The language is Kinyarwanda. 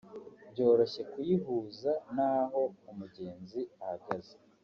byoroshye kuyihuza n’aho umugenzi ahagaze